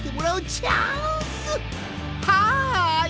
はい！